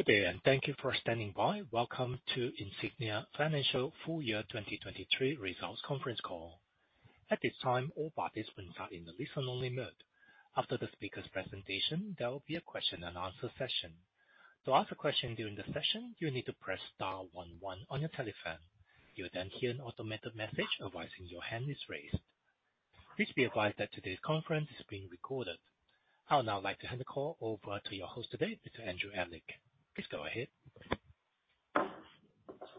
Good day, and thank you for standing by. Welcome to Insignia Financial Full Year 2023 Results Conference Call. At this time, all parties will start in the listen only mode. After the speaker's presentation, there will be a question and answer session. To ask a question during the session, you'll need to press star 11 on your telephone. You'll then hear an automated message advising your hand is raised. Please be advised that today's conference is being recorded. I would now like to hand the call over to your host today, Mr. Andrew Ehlich. Please go ahead.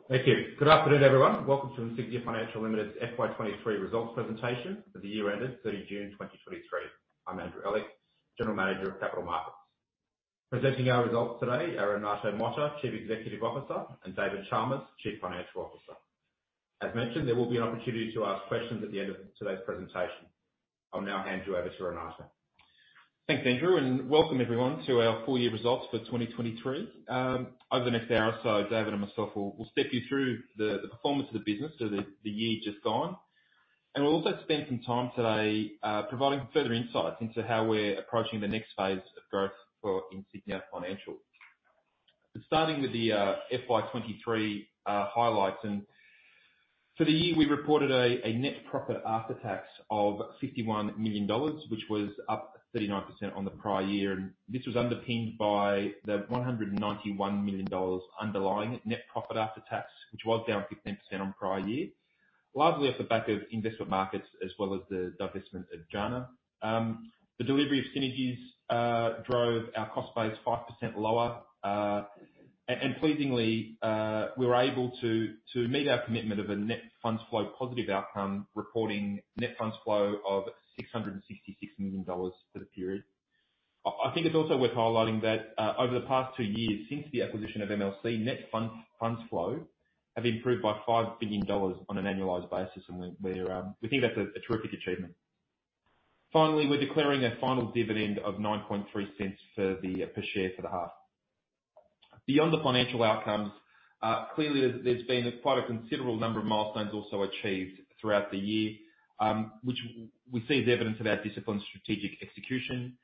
Thank you. Good afternoon, everyone. Welcome to Insignia Financial Limited's FY 23 results presentation for the year ended 30 June 2023. I'm Andrew Ehlich, General Manager of Capital Markets. Presenting our results today are Renato Mota, Chief Executive Officer, and David Chalmers, Chief Financial Officer. As mentioned, there will be an opportunity to ask questions at the end of today's presentation. I'll now hand you over to Renato. Thanks, Andrew, and welcome everyone to our full year results for 2023. Over the next hour or so, David and myself will step you through the performance of the business for the year just gone. We'll also spend some time today providing further insights into how we're approaching the next phase of growth for Insignia Financial. Starting with the FY 2023 highlights, and for the year, we reported a net profit after tax of AUD 51 million, which was up 39% on the prior year, and this was underpinned by the AUD 191 million underlying net profit after tax, which was down 15% on prior year. Largely off the back of investment markets, as well as the divestment of JANA. The delivery of synergies drove our cost base 5% lower. And pleasingly, we were able to meet our commitment of a net funds flow positive outcome, reporting net funds flow of 666 million dollars for the period. I think it's also worth highlighting that over the past two years since the acquisition of MLC, net funds flow have improved by 5 billion dollars on an annualized basis, and we're, we think that's a terrific achievement. Finally, we're declaring a final dividend of 0.093 per share for the half. Beyond the financial outcomes, clearly there's been quite a considerable number of milestones also achieved throughout the year, which we see as evidence of our disciplined strategic execution.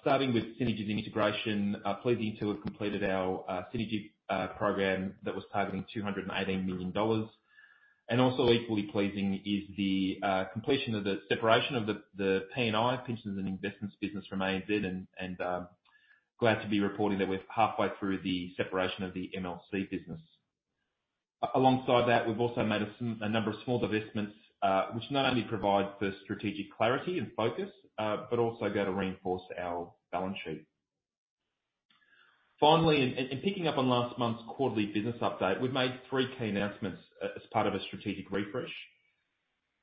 Starting with synergies and integration, pleasing to have completed our synergy program that was targeting 218 million dollars. And also, equally pleasing, is the completion of the separation of the P&I, Pensions and Investments business, from ANZ, and glad to be reporting that we're halfway through the separation of the MLC business. Alongside that, we've also made a number of small divestments, which not only provides for strategic clarity and focus, but also go to reinforce our balance sheet. Finally, picking up on last month's quarterly business update, we've made three key announcements as part of a strategic refresh.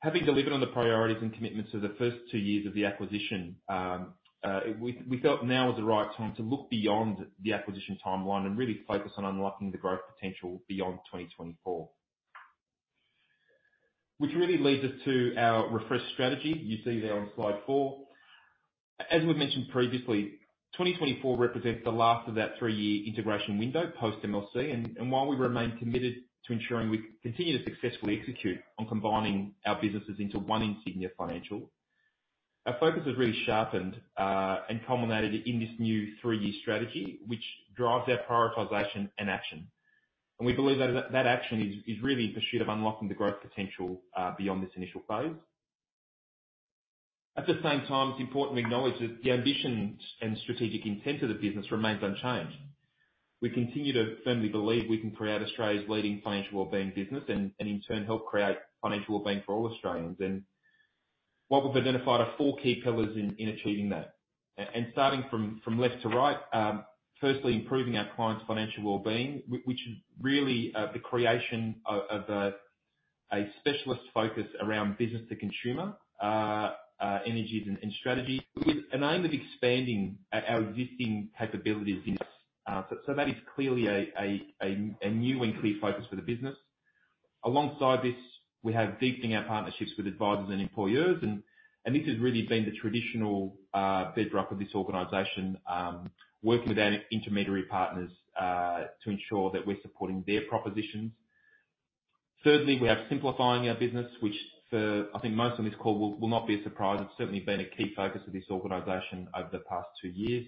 Having delivered on the priorities and commitments of the first two years of the acquisition, we felt now was the right time to look beyond the acquisition timeline and really focus on unlocking the growth potential beyond 2024. Which really leads us to our refresh strategy. You see there on slide 4. As we've mentioned previously, 2024 represents the last of that three-year integration window post MLC, and while we remain committed to ensuring we continue to successfully execute on combining our businesses into one Insignia Financial, our focus has really sharpened and culminated in this new three-year strategy, which drives our prioritization and action. We believe that action is really pursuit of unlocking the growth potential beyond this initial phase. At the same time, it's important to acknowledge that the ambitions and strategic intent of the business remains unchanged. We continue to firmly believe we can create Australia's leading financial well-being business, and in turn, help create financial well-being for all Australians. And what we've identified are four key pillars in achieving that. And starting from left to right, firstly, improving our clients' financial well-being, which is really the creation of a specialist focus around business to consumer energies and strategy, with an aim of expanding our existing capabilities in this. So that is clearly a new and clear focus for the business. Alongside this, we have deepening our partnerships with advisers and employers, and this has really been the traditional bedrock of this organization, working with our intermediary partners to ensure that we're supporting their propositions. Thirdly, we have simplifying our business, which for, I think, most on this call will not be a surprise. It's certainly been a key focus of this organization over the past two years.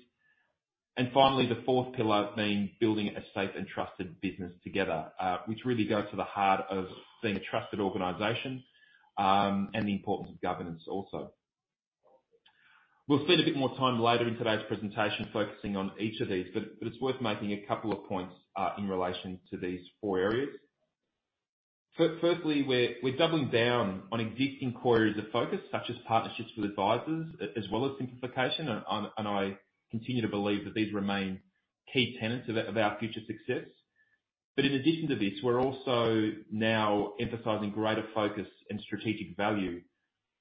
And finally, the fourth pillar being building a safe and trusted business together, which really goes to the heart of being a trusted organization, and the importance of governance also. We'll spend a bit more time later in today's presentation focusing on each of these, but it's worth making a couple of points in relation to these four areas. Firstly, we're doubling down on existing core areas of focus, such as partnerships with advisers, as well as simplification, and I continue to believe that these remain key tenets of our future success. But in addition to this, we're also now emphasizing greater focus and strategic value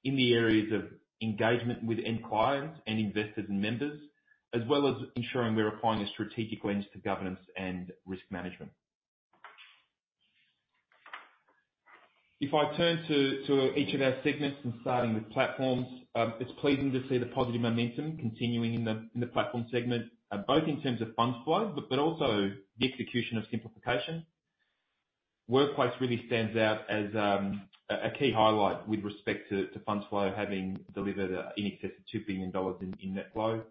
in the areas of engagement with end clients and investors and members, as well as ensuring we're applying a strategic lens to governance and risk management. If I turn to each of our segments, and starting with platforms, it's pleasing to see the positive momentum continuing in the platform segment, both in terms of funds flow, but also the execution of simplification. Workplace really stands out as a key highlight with respect to fund flow, having delivered in excess of 2 billion dollars in net flow.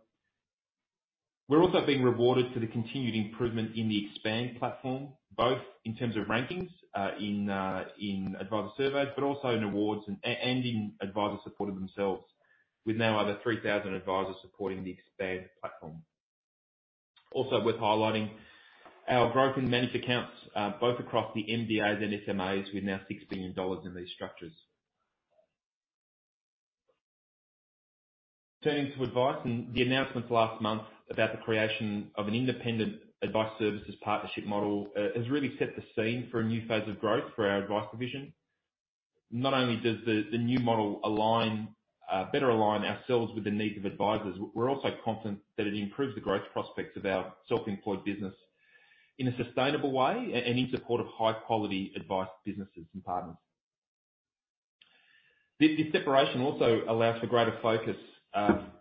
We're also being rewarded for the continued improvement in the Expand platform, both in terms of rankings in adviser surveys, but also in awards and in advisers supporting themselves, with now over 3,000 advisers supporting the Expand platform. Also worth highlighting, our growth in managed accounts, both across the MDAs and SMAs, with now 6 billion dollars in these structures. Turning to advice, and the announcements last month about the creation of an independent advice services partnership model has really set the scene for a new phase of growth for our advice division. Not only does the new model align better align ourselves with the needs of advisers, we're also confident that it improves the growth prospects of our self-employed business in a sustainable way, and in support of high quality advice, businesses, and partners. This separation also allows for greater focus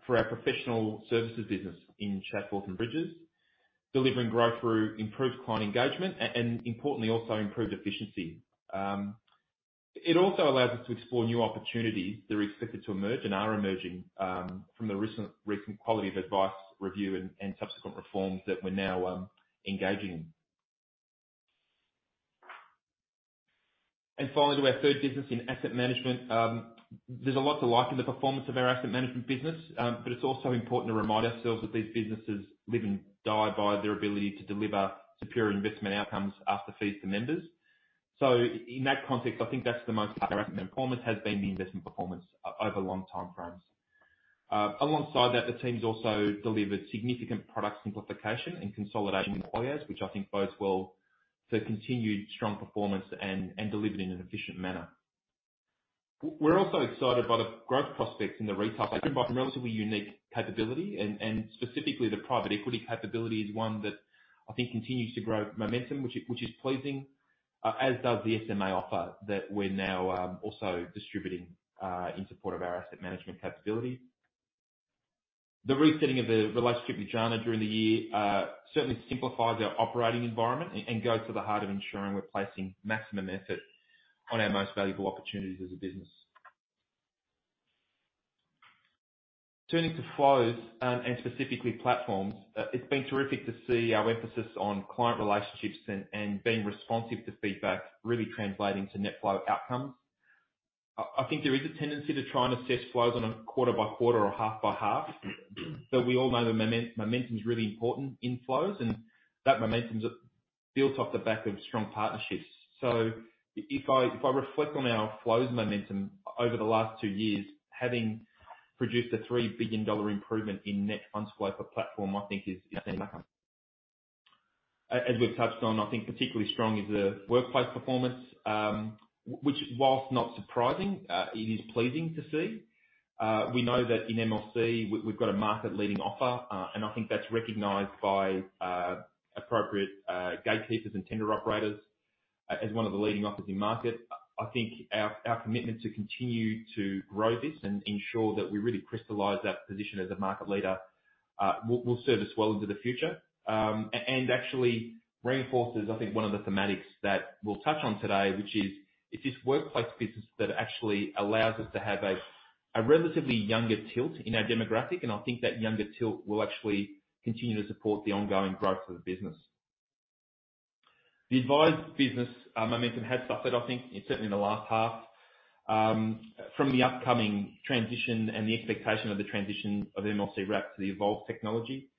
for our professional services business in Shadforth and Bridges, delivering growth through improved client engagement, and importantly, also improved efficiency. It also allows us to explore new opportunities that are expected to emerge and are emerging from the recent Quality of Advice Review, and subsequent reforms that we're now engaging in. And finally, to our third business in asset management. There's a lot to like in the performance of our asset management business, but it's also important to remind ourselves that these businesses live and die by their ability to deliver superior investment outcomes after fees to members. So in that context, I think that's the most important, performance has been the investment performance over long time frames. Alongside that, the teams also delivered significant product simplification and consolidation in OAs, which I think bodes well for continued strong performance and delivered in an efficient manner. We're also excited by the growth prospects in the retail sector, driven by some relatively unique capability, and specifically, the private equity capability is one that I think continues to grow momentum, which is pleasing, as does the SMA offer, that we're now also distributing, in support of our asset management capabilities. The resetting of the relationship with JANA during the year certainly simplifies our operating environment and goes to the heart of ensuring we're placing maximum effort on our most valuable opportunities as a business. Turning to flows, and specifically platforms, it's been terrific to see our emphasis on client relationships and, and being responsive to feedback, really translating to net flow outcomes. I think there is a tendency to try and assess flows on a quarter by quarter or half by half, but we all know that momentum is really important in flows, and that momentum's built off the back of strong partnerships. So if I reflect on our flows momentum over the last two years, having produced an 3 billion dollar improvement in net fund flow per platform, I think is as we've touched on. I think particularly strong is the workplace performance, which, while not surprising, it is pleasing to see. We know that in MLC we've got a market-leading offer, and I think that's recognized by appropriate gatekeepers and tender operators as one of the leading offers in market. I think our commitment to continue to grow this and ensure that we really crystallize that position as a market leader will serve us well into the future. And actually reinforces, I think, one of the thematics that we'll touch on today, which is, it's this workplace business that actually allows us to have a relatively younger tilt in our demographic, and I think that younger tilt will actually continue to support the ongoing growth of the business. The advice business momentum has suffered, I think, certainly in the last half, from the upcoming transition and the expectation of the transition of MLC Wrap to the Evolve technology.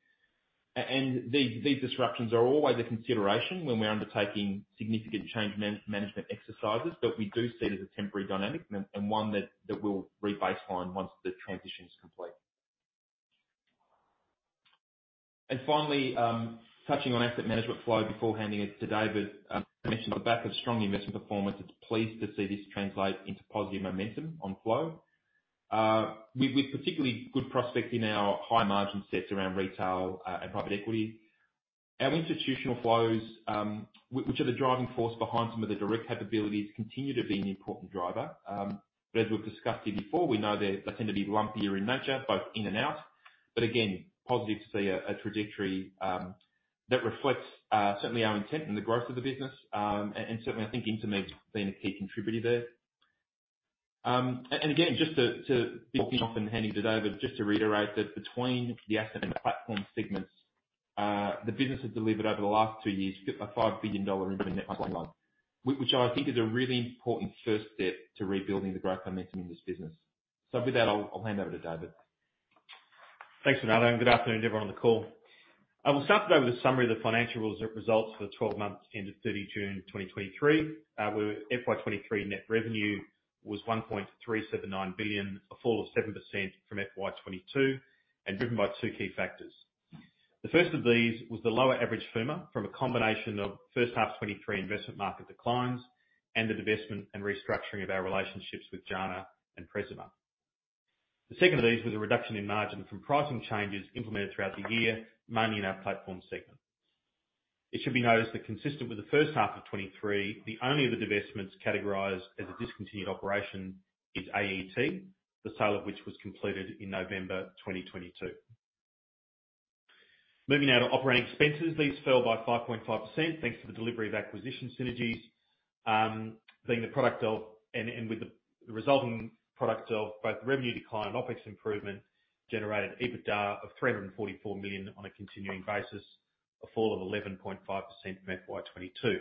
And these disruptions are always a consideration when we're undertaking significant change management exercises, but we do see it as a temporary dynamic and one that will re-baseline once the transition is complete. And finally, touching on asset management flow before handing it to David. I mentioned on the back of strong investment performance, it's pleased to see this translate into positive momentum on flow. With particularly good prospect in our high margin sets around retail and private equity. Our institutional flows, which are the driving force behind some of the direct capabilities, continue to be an important driver. But as we've discussed here before, we know they tend to be lumpier in nature, both in and out. But again, positive to see a trajectory that reflects certainly our intent in the growth of the business. And certainly I think Intermed's been a key contributor there. And again, just to kick off and handing it over, just to reiterate that between the asset and the platform segments, the business has delivered over the last two years, a 5 billion dollar improvement in net FUM, which I think is a really important first step to rebuilding the growth momentum in this business. So with that, I'll hand over to David. Thanks, Renato, and good afternoon to everyone on the call. I will start today with a summary of the financial results for the 12 months ending 30 June 2023. Where FY 2023 net revenue was 1.379 billion, a fall of 7% from FY 2022, and driven by two key factors. The first of these was the lower average FUMA from a combination of first half 2023 investment market declines and the divestment and restructuring of our relationships with JANA and Presima. The second of these was a reduction in margin from pricing changes implemented throughout the year, mainly in our platform segment. It should be noted that consistent with the first half of 2023, the only other divestments categorized as a discontinued operation is AET, the sale of which was completed in November 2022. Moving now to operating expenses. These fell by 5.5%, thanks to the delivery of acquisition synergies, being the product of, and with the resulting product of both the revenue decline and OpEx improvement, generated EBITDA of 344 million on a continuing basis, a fall of 11.5% from FY 2022.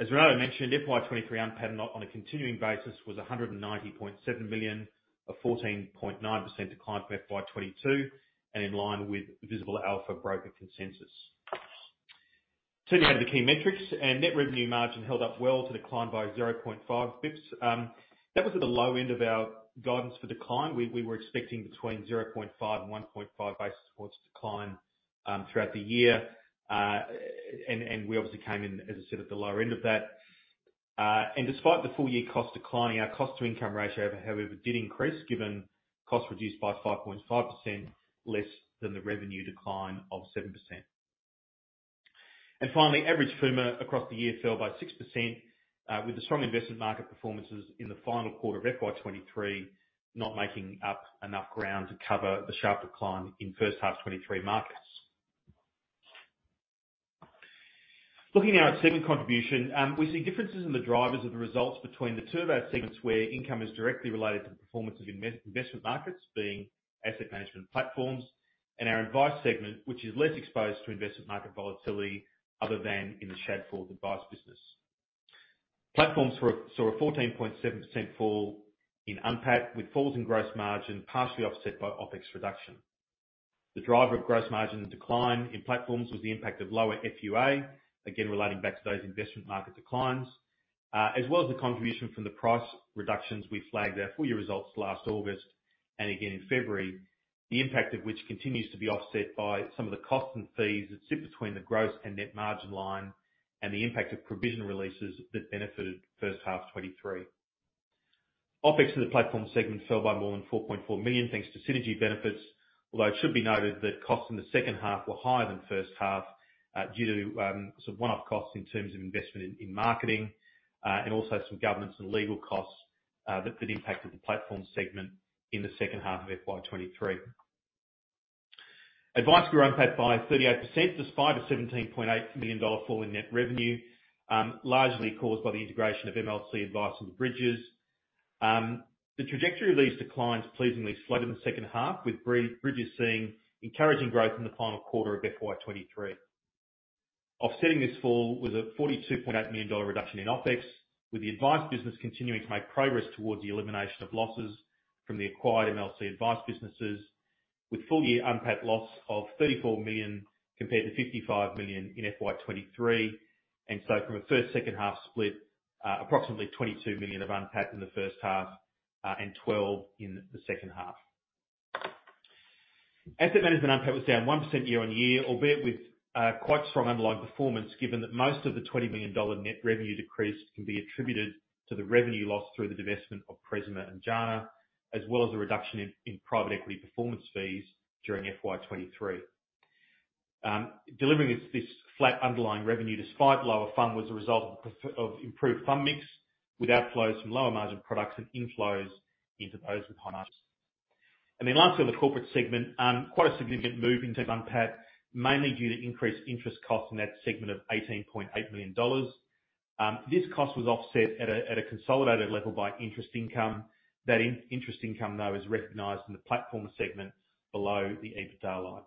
As Renato mentioned, FY 2023 underlying NPAT on a continuing basis was 190.7 million, a 14.9% decline from FY 2022, and in line with Visible Alpha broker consensus. Turning now to the key metrics, net revenue margin held up well to decline by 0.5 basis points. That was at the low end of our guidance for decline. We were expecting between 0.5 and 1.5 basis points decline throughout the year. We obviously came in, as I said, at the lower end of that. Despite the full year cost declining, our cost to income ratio, however, did increase, given cost reduced by 5.5%, less than the revenue decline of 7%. Finally, average FUMA across the year fell by 6%, with the strong investment market performances in the final quarter of FY 2023, not making up enough ground to cover the sharp decline in first half 2023 markets. Looking now at segment contribution, we see differences in the drivers of the results between the two of our segments, where income is directly related to the performance of investment markets, being asset management platforms, and our advice segment, which is less exposed to investment market volatility, other than in the Shadforth advice business. Platforms saw a 14.7% fall in FUA, with falls in gross margin, partially offset by OpEx reduction. The driver of gross margin decline in platforms was the impact of lower FUA, again, relating back to those investment market declines, as well as the contribution from the price reductions we flagged in our full year results last August, and again in February. The impact of which continues to be offset by some of the costs and fees that sit between the gross and net margin line, and the impact of provision releases that benefited first half 2023. OpEx for the platform segment fell by more than 4.4 million, thanks to synergy benefits. Although, it should be noted that costs in the second half were higher than first half, due to some one-off costs in terms of investment in marketing, and also some governance and legal costs, that impacted the platform segment in the second half of FY 2023. Advice grew UNPAT by 38%, despite a 17.8 million dollar fall in net revenue, largely caused by the integration of MLC Advice into Bridges. The trajectory of these declines pleasingly slowed in the second half, with Bridges seeing encouraging growth in the final quarter of FY 2023. Offsetting this fall, was an 42.8 million dollar reduction in OpEx, with the advice business continuing to make progress towards the elimination of losses from the acquired MLC Advice businesses, with full year UNPAT loss of 34 million, compared to 55 million in FY 2023. And so from a first, second half split, approximately 22 million of UNPAT in the first half, and 12 million in the second half. Asset Management UNPAT was down 1% year-on-year, albeit with, quite strong underlying performance, given that most of the 20 million dollar net revenue decrease can be attributed to the revenue loss through the divestment of Presima and JANA, as well as a reduction in private equity performance fees during FY 2023. Delivering this flat underlying revenue, despite lower FUM, was a result of improved FUM mix, with outflows from lower margin products and inflows into those with high margins. And then lastly, on the corporate segment, quite a significant move into UNPAT, mainly due to increased interest costs in that segment of 18.8 million dollars. This cost was offset at a consolidated level by interest income. That interest income, though, is recognized in the platform segment below the EBITDA line.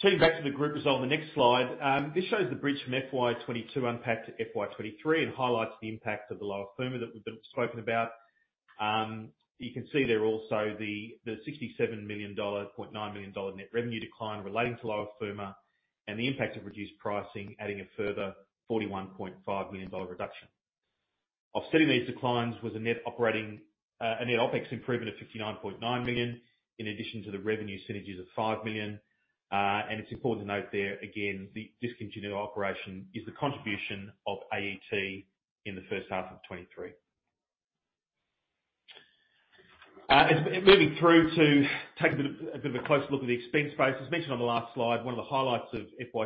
Turning back to the group result on the next slide. This shows the bridge from FY 2022 UNPAT to FY 2023, and highlights the impact of the lower FUMA that we've spoken about. You can see there also the 67.9 million dollar net revenue decline relating to lower FUMA, and the impact of reduced pricing, adding a further 41.5 million dollar reduction. Offsetting these declines was a net OpEx improvement of 59.9 million, in addition to the revenue synergies of 5 million. And it's important to note there, again, the discontinued operation is the contribution of AET in the first half of 2023. And moving through to take a bit of a closer look at the expense base. As mentioned on the last slide, one of the highlights of FY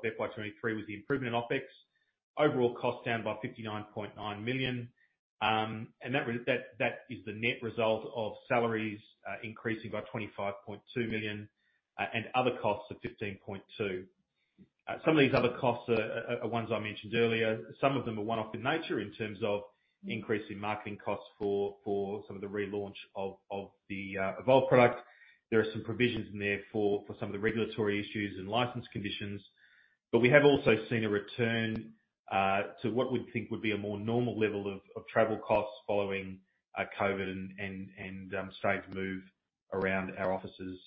2023 was the improvement in OpEx. Overall costs down by 59.9 million, and that, that is the net result of salaries increasing by 25.2 million, and other costs of 15.2 million. Some of these other costs are ones I mentioned earlier. Some of them are one-off in nature, in terms of increasing marketing costs for the relaunch of the Evolve product. There are some provisions in there for some of the regulatory issues and license conditions, but we have also seen a return to what we'd think would be a more normal level of travel costs following COVID and starting to move around our offices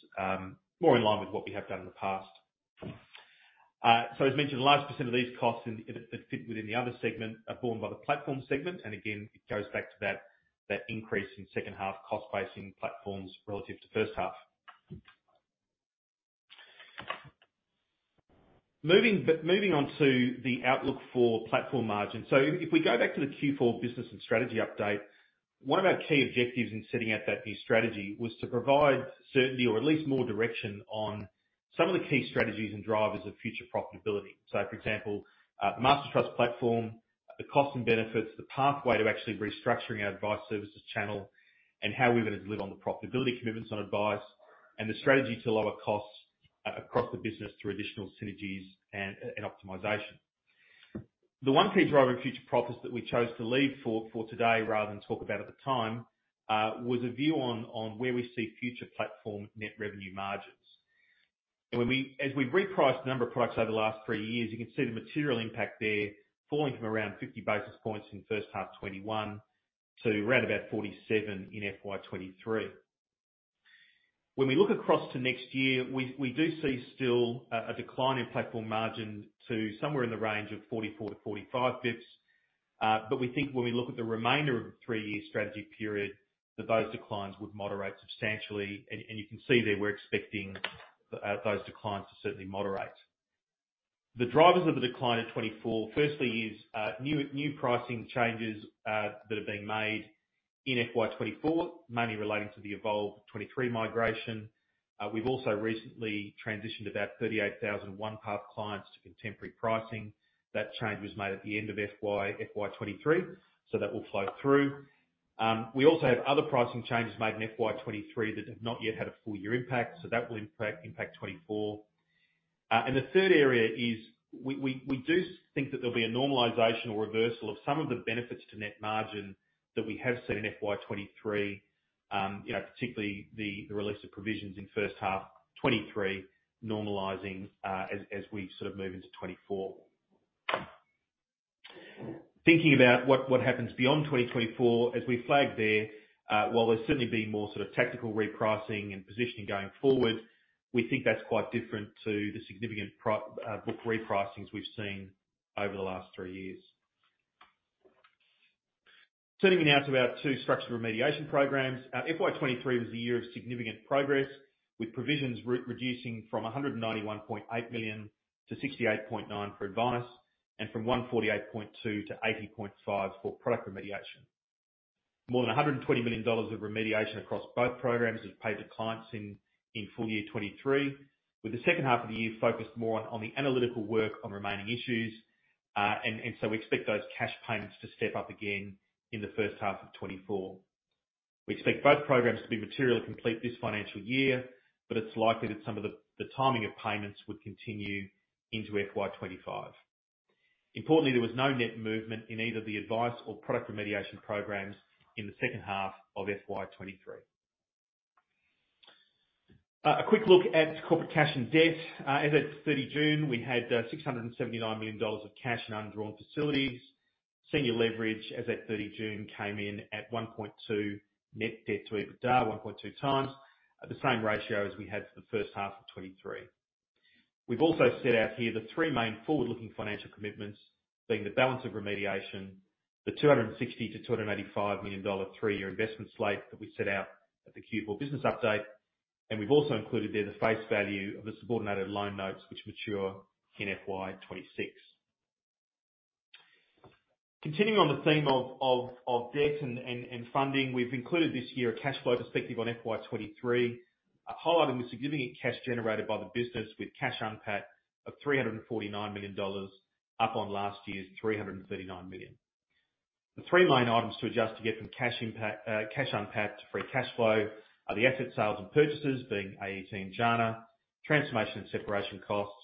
more in line with what we have done in the past. So as mentioned, the largest percent of these costs in the other segment that fit within the other segment are borne by the platform segment, and again, it goes back to that increase in second half cost base in platforms, relative to first half. Moving on to the outlook for platform margin. So if we go back to the Q4 business and strategy update, one of our key objectives in setting out that new strategy was to provide certainty, or at least more direction on some of the key strategies and drivers of future profitability. So, for example, the Master Trust platform, the cost and benefits, the pathway to actually restructuring our advice services channel, and how we're going to deliver on the profitability commitments on advice, and the strategy to lower costs across the business through additional synergies and optimization. The one key driver of future profits that we chose to leave for, for today, rather than talk about at the time, was a view on, on where we see future platform net revenue margins. And as we've repriced a number of products over the last three years, you can see the material impact there falling from around 50 basis points in the first half 2021, to around 47 in FY 2023. When we look across to next year, we, we do see still, a decline in platform margin to somewhere in the range of 44-45 basis points. But we think when we look at the remainder of the three-year strategic period, that those declines would moderate substantially. And, and you can see there, we're expecting, those declines to certainly moderate. The drivers of the decline in 2024, firstly, is new pricing changes that have been made in FY 2024, mainly relating to the Evolve 2023 migration. We've also recently transitioned about 38,000 OnePath clients to contemporary pricing. That change was made at the end of FY 2023, so that will flow through. We also have other pricing changes made in FY 2023 that have not yet had a full year impact, so that will impact 2024. And the third area is we do think that there'll be a normalization or reversal of some of the benefits to net margin that we have seen in FY 2023. You know, particularly the release of provisions in first half 2023, normalizing as we sort of move into 2024. Thinking about what happens beyond 2024, as we flagged there, while there's certainly been more sort of tactical repricing and positioning going forward, we think that's quite different to the significant book repricings we've seen over the last three years. Turning me now to our two structural remediation programs. FY 2023 was a year of significant progress, with provisions reducing from 191.8 million to 68.9 million for advice, and from 148.2 million to 80.5 million for product remediation. More than 120 million dollars of remediation across both programs was paid to clients in full year 2023, with the second half of the year focused more on the analytical work on remaining issues. So we expect those cash payments to step up again in the first half of 2024. We expect both programs to be materially complete this financial year, but it's likely that some of the timing of payments would continue into FY 2025. Importantly, there was no net movement in either the advice or product remediation programs in the second half of FY 2023. A quick look at corporate cash and debt. As at 30 June, we had 679 million dollars of cash in undrawn facilities. Senior leverage, as at 30 June, came in at 1.2 net debt to EBITDA, 1.2 times, at the same ratio as we had for the first half of 2023. We've also set out here the three main forward-looking financial commitments, being the balance of remediation, the 260-285 million dollar three-year investment slate that we set out at the Q4 business update, and we've also included there the face value of the subordinated loan notes, which mature in FY 2026. Continuing on the theme of debt and funding, we've included this year a cash flow perspective on FY 2023, highlighting the significant cash generated by the business with cash UNPAT of 349 million dollars, up on last year's 339 million. The three main items to adjust to get from cash UNPAT to free cash flow are the asset sales and purchases, being AET and JANA, transformation and separation costs,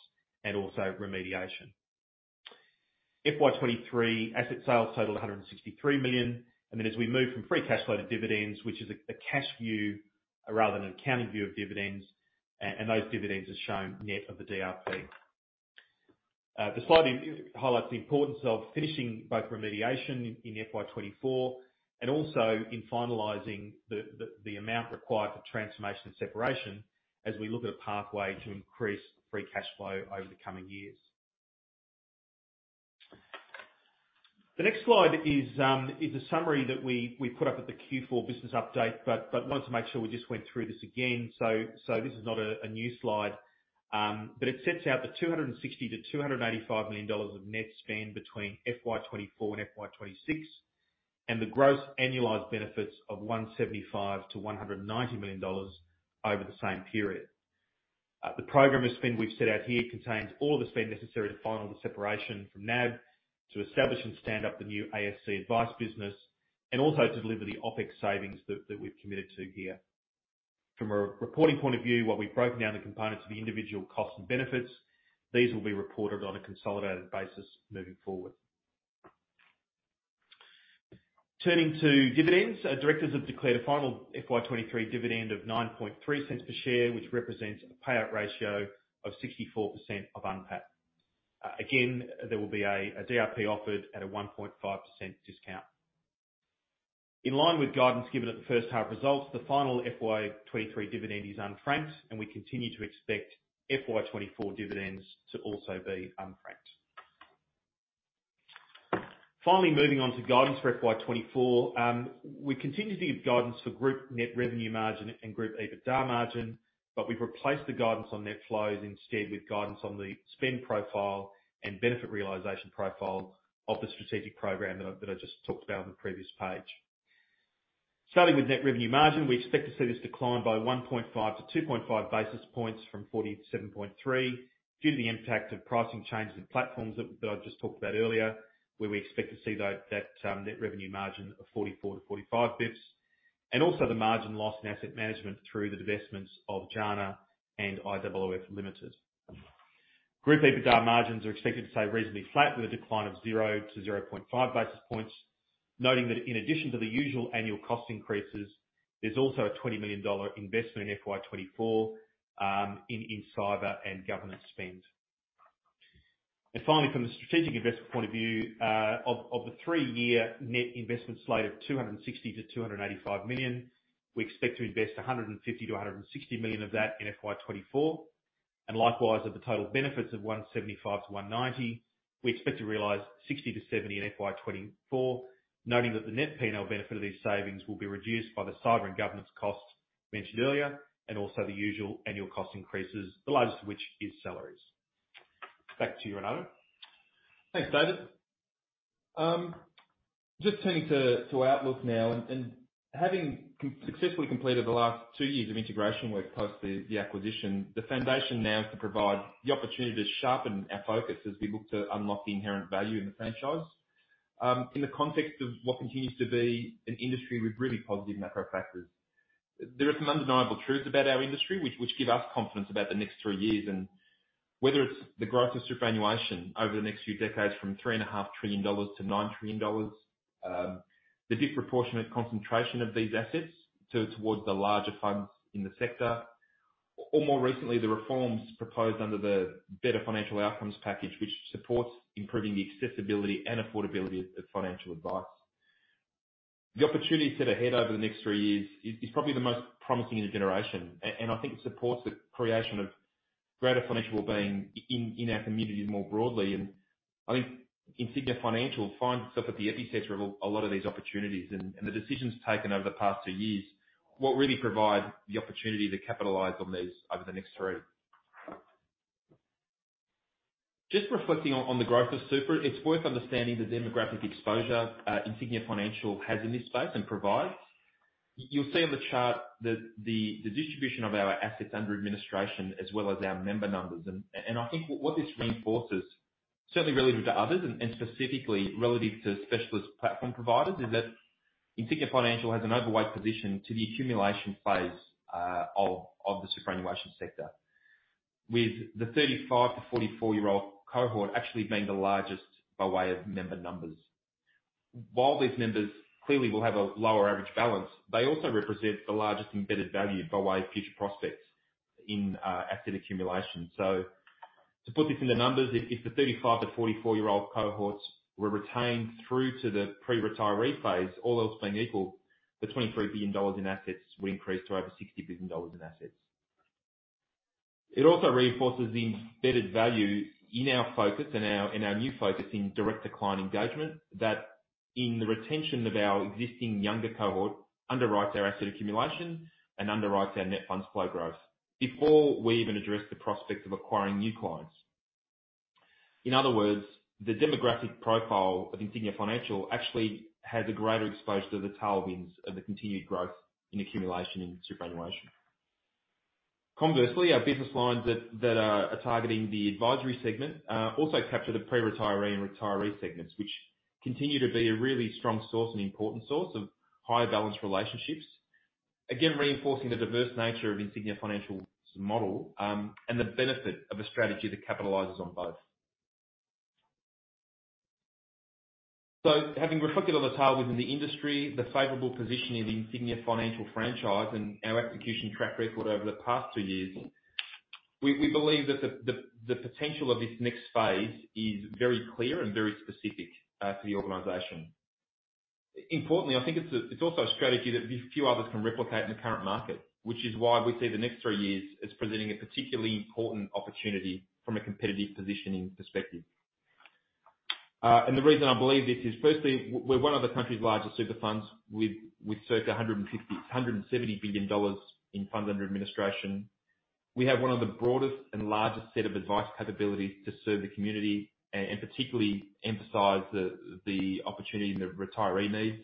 and also remediation. FY 2023 asset sales totaled 163 million, and then as we move from free cash flow to dividends, which is a cash view rather than an accounting view of dividends, and those dividends are shown net of the DRP. The slide highlights the importance of finishing both remediation in FY 2024, and also in finalizing the amount required for transformation and separation, as we look at a pathway to increase free cash flow over the coming years. The next slide is a summary that we put up at the Q4 business update, but wanted to make sure we just went through this again. So this is not a new slide, but it sets out the 260 million-285 million dollars of net spend between FY 2024 and FY 2026, and the gross annualized benefits of 175 million-190 million dollars over the same period. The program of spend we've set out here contains all the spend necessary to finalize the separation from NAB, to establish and stand up the new ASC advice business, and also to deliver the OpEx savings that we've committed to here. From a reporting point of view, while we've broken down the components of the individual costs and benefits, these will be reported on a consolidated basis moving forward. Turning to dividends, directors have declared a final FY 2023 dividend of 0.093 per share, which represents a payout ratio of 64% of UNPAT. Again, there will be a DRP offered at a 1.5% discount. In line with guidance given at the first half results, the final FY 2023 dividend is unfranked, and we continue to expect FY 2024 dividends to also be unfranked. Finally, moving on to guidance for FY 2024. We continue to give guidance for group net revenue margin and group EBITDA margin, but we've replaced the guidance on net flows instead with guidance on the spend profile and benefit realization profile of the strategic program that I just talked about on the previous page.... Starting with net revenue margin, we expect to see this decline by 1.5-2.5 basis points from 47.3, due to the impact of pricing changes and platforms that I've just talked about earlier, where we expect to see that net revenue margin of 44-45 basis points. Also the margin loss in asset management through the divestments of JANA and IOOF Limited. Group EBITDA margins are expected to stay reasonably flat, with a decline of 0-0.5 basis points, noting that in addition to the usual annual cost increases, there's also an 20 million dollar investment in FY 2024 in cyber and governance spend. Finally, from a strategic investment point of view, of the 3-year net investment slate of 260 million-285 million, we expect to invest 150 million-160 million of that in FY 2024. Likewise, of the total benefits of 175 million-190 million, we expect to realize 60 million-70 million in FY 2024, noting that the net P&L benefit of these savings will be reduced by the cyber and governance costs mentioned earlier, and also the usual annual cost increases, the largest of which is salaries. Back to you, Renato. Thanks, David. Just turning to our outlook now, and having successfully completed the last two years of integration work post the acquisition, the foundation now can provide the opportunity to sharpen our focus as we look to unlock the inherent value in the franchise. In the context of what continues to be an industry with really positive macro factors, there are some undeniable truths about our industry which give us confidence about the next three years, and whether it's the growth of superannuation over the next few decades from 3.5 trillion dollars to 9 trillion dollars, the disproportionate concentration of these assets towards the larger funds in the sector, or more recently, the reforms proposed under the Better Financial Outcomes package, which supports improving the accessibility and affordability of financial advice. The opportunities that are ahead over the next three years is probably the most promising in a generation, and I think it supports the creation of greater financial wellbeing in, in our communities more broadly. And I think Insignia Financial finds itself at the epicenter of a lot of these opportunities, and the decisions taken over the past two years will really provide the opportunity to capitalize on these over the next three. Just reflecting on the growth of super, it's worth understanding the demographic exposure Insignia Financial has in this space and provides. You'll see on the chart that the distribution of our assets under administration, as well as our member numbers. I think what this reinforces, certainly relative to others and specifically relative to specialist platform providers, is that Insignia Financial has an overweight position to the accumulation phase of the superannuation sector, with the 35- to 44-year-old cohort actually being the largest by way of member numbers. While these members clearly will have a lower average balance, they also represent the largest embedded value by way of future prospects in asset accumulation. So to put this into numbers, if the 35- to 44-year-old cohorts were retained through to the pre-retiree phase, all else being equal, the 23 billion dollars in assets would increase to over 60 billion dollars in assets. It also reinforces the embedded value in our focus and our new focus in direct client engagement, that in the retention of our existing younger cohort, underwrites our asset accumulation, and underwrites our net funds flow growth, before we even address the prospects of acquiring new clients. In other words, the demographic profile of Insignia Financial actually has a greater exposure to the tailwinds of the continued growth in accumulation in superannuation. Conversely, our business lines that are targeting the advisory segment also capture the pre-retiree and retiree segments, which continue to be a really strong source and important source of higher balance relationships. Again, reinforcing the diverse nature of Insignia Financial's model, and the benefit of a strategy that capitalizes on both. So having reflected on the tailwinds in the industry, the favorable position in the Insignia Financial franchise, and our execution track record over the past two years, we believe that the potential of this next phase is very clear and very specific to the organization. Importantly, I think it's also a strategy that very few others can replicate in the current market, which is why we see the next three years as presenting a particularly important opportunity from a competitive positioning perspective. And the reason I believe this is, firstly, we're one of the country's largest super funds with circa 150 billion-170 billion dollars in funds under administration. We have one of the broadest and largest set of advice capabilities to serve the community, and particularly emphasize the opportunity and the retiree needs.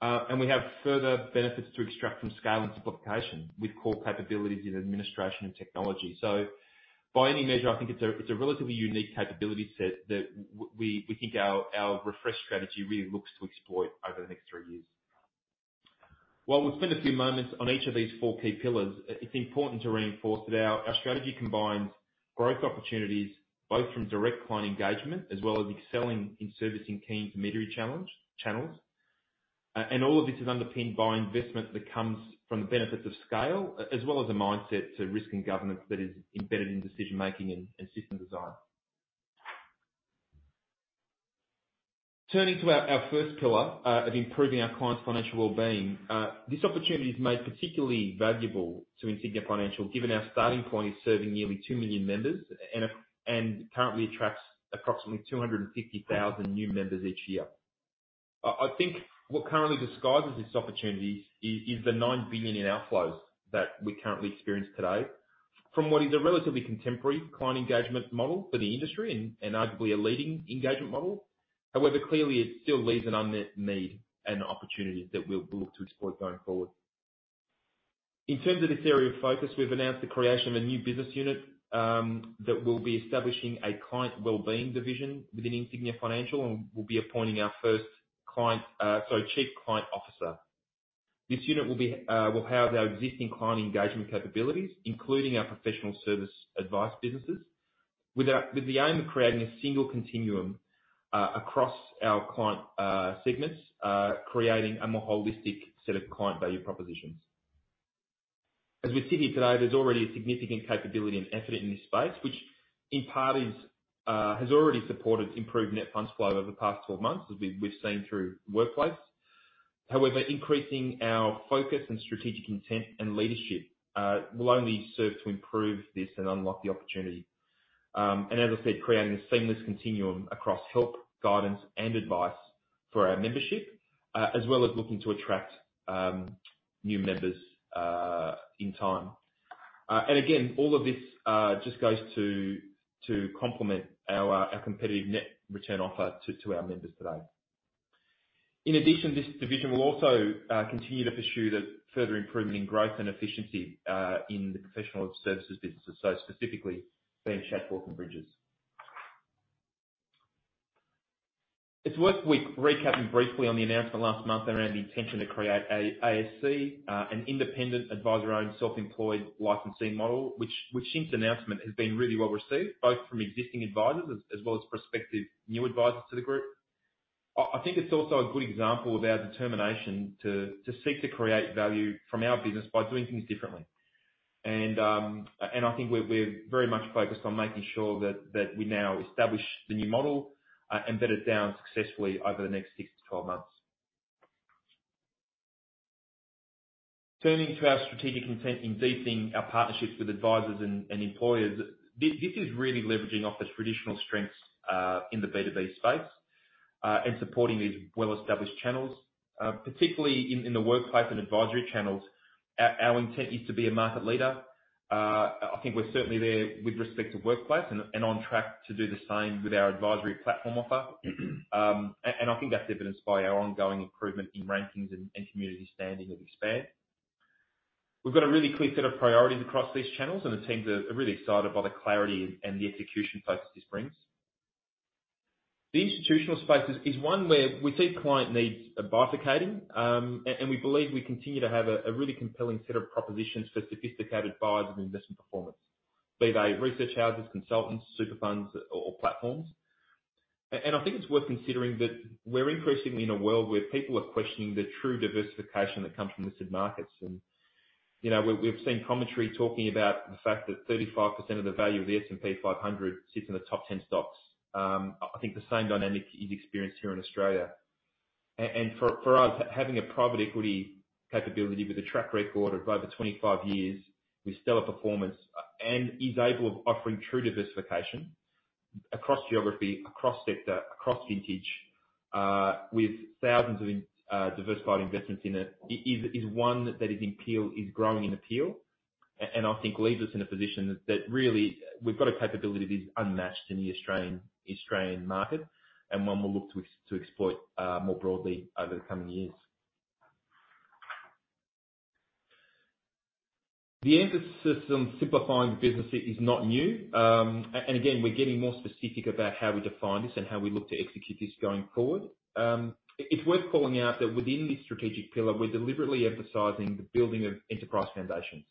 And we have further benefits to extract from scale and simplification with core capabilities in administration and technology. So by any measure, I think it's a, it's a relatively unique capability set that we think our refreshed strategy really looks to exploit over the next three years. While we've spent a few moments on each of these four key pillars, it's important to reinforce that our strategy combines growth opportunities, both from direct client engagement, as well as excelling in servicing key intermediary channels. And all of this is underpinned by investment that comes from the benefits of scale, as well as a mindset to risk and governance that is embedded in decision-making and system design. Turning to our first pillar of improving our clients' financial well-being, this opportunity is made particularly valuable to Insignia Financial, given our starting point is serving nearly 2 million members, and currently attracts approximately 250,000 new members each year. I think what currently disguises this opportunity is the 9 billion in outflows that we currently experience today from what is a relatively contemporary client engagement model for the industry and arguably a leading engagement model. However, clearly, it still leaves an unmet need and opportunity that we'll look to explore going forward. In terms of this area of focus, we've announced the creation of a new business unit that will be establishing a client well-being division within Insignia Financial and will be appointing our first Chief Client Officer. This unit will house our existing client engagement capabilities, including our professional service advice businesses, with the aim of creating a single continuum across our client segments, creating a more holistic set of client value propositions. As we sit here today, there's already a significant capability and effort in this space, which in part has already supported improved net funds flow over the past 12 months, as we've seen through workplace. However, increasing our focus, and strategic intent, and leadership will only serve to improve this and unlock the opportunity. And as I said, creating a seamless continuum across help, guidance, and advice for our membership, as well as looking to attract new members in time. And again, all of this just goes to, to complement our, our competitive net return offer to, to our members today. In addition, this division will also continue to pursue the further improvement in growth and efficiency in the professional services businesses, so specifically being Shadforth and Bridges. It's worth we recapping briefly on the announcement last month around the intention to create an ASC, an independent, adviser-owned, self-employed licensing model, which since announcement, has been really well received, both from existing advisers as well as prospective new advisers to the group. I think it's also a good example of our determination to, to seek to create value from our business by doing things differently. I think we're very much focused on making sure that we now establish the new model and bed it down successfully over the next 6-12 months. Turning to our strategic intent in deepening our partnerships with advisers and employers, this is really leveraging off the traditional strengths in the B2B space and supporting these well-established channels. Particularly in the workplace and advisory channels, our intent is to be a market leader. I think we're certainly there with respect to workplace and on track to do the same with our advisory platform offer. I think that's evidenced by our ongoing improvement in rankings and community standing with Expand. We've got a really clear set of priorities across these channels, and the teams are really excited by the clarity and the execution focus this brings. The institutional space is one where we see client needs bifurcating. We believe we continue to have a really compelling set of propositions for sophisticated buyers of investment performance, be they research houses, consultants, super funds, or platforms. I think it's worth considering that we're increasingly in a world where people are questioning the true diversification that comes from listed markets. You know, we've seen commentary talking about the fact that 35% of the value of the S&P 500 sits in the top 10 stocks. I think the same dynamic is experienced here in Australia. And for us, having a private equity capability with a track record of over 25 years, with stellar performance, and is able of offering true diversification across geography, across sector, across vintage, with thousands of diversified investments in it, is one that is in appeal, is growing in appeal. And I think leaves us in a position that really we've got a capability that is unmatched in the Australian market, and one we'll look to to exploit more broadly over the coming years. The emphasis on simplifying the business is not new. And again, we're getting more specific about how we define this and how we look to execute this going forward. It's worth calling out that within this strategic pillar, we're deliberately emphasizing the building of enterprise foundations,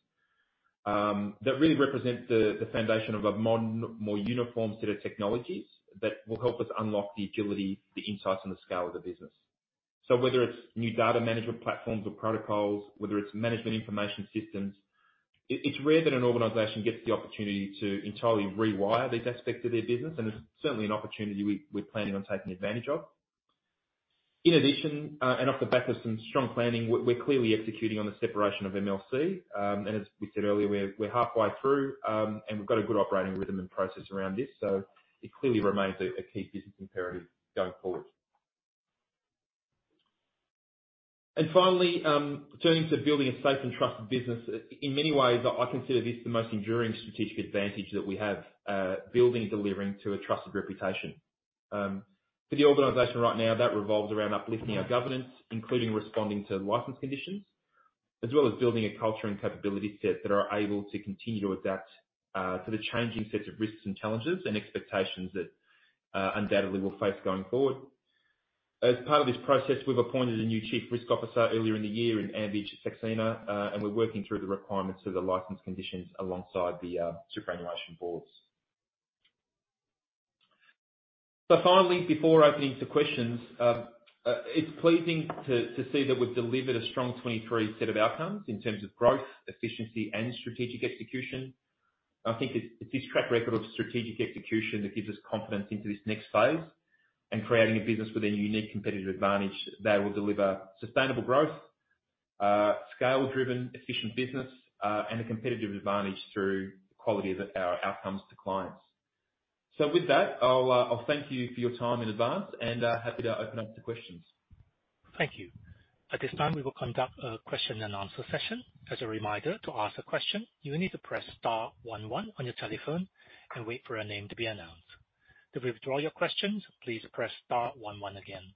that really represent the foundation of a modern, more uniform set of technologies that will help us unlock the agility, the insights, and the scale of the business. So whether it's new data management platforms or protocols, whether it's management information systems, it's rare that an organization gets the opportunity to entirely rewire these aspects of their business, and it's certainly an opportunity we're planning on taking advantage of. In addition, off the back of some strong planning, we're clearly executing on the separation of MLC. And as we said earlier, we're halfway through, and we've got a good operating rhythm and process around this, so it clearly remains a key business imperative going forward. And finally, turning to building a safe and trusted business, in many ways, I, I consider this the most enduring strategic advantage that we have, building and delivering to a trusted reputation. For the organization right now, that revolves around uplifting our governance, including responding to license conditions, as well as building a culture and capability set that are able to continue to adapt to the changing sets of risks and challenges and expectations that undoubtedly we'll face going forward. As part of this process, we've appointed a new Chief Risk Officer earlier in the year in Anvijit Saxena, and we're working through the requirements of the license conditions alongside the superannuation boards. So finally, before opening to questions, it's pleasing to see that we've delivered a strong 2023 set of outcomes in terms of growth, efficiency, and strategic execution. I think it's this track record of strategic execution that gives us confidence into this next phase, and creating a business with a unique competitive advantage that will deliver sustainable growth, scale-driven, efficient business, and a competitive advantage through the quality of our outcomes to clients.... With that, I'll thank you for your time in advance, and happy to open up to questions. Thank you. At this time, we will conduct a question and answer session. As a reminder, to ask a question, you will need to press star one one on your telephone and wait for a name to be announced. To withdraw your questions, please press star one one again.